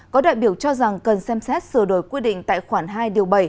có đại biểu cho rằng cần xem xét sửa đổi quy định tại khoản hai điều bảy